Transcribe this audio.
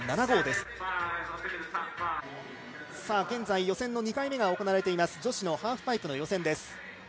現在予選の２回目が行われています女子のハーフパイプ予選。